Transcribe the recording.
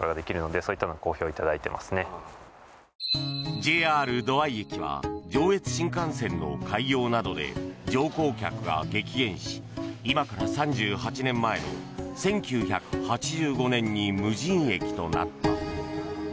ＪＲ土合駅は上越新幹線の開業などで乗降客が激減し今から３８年前の１９８５年に無人駅となった。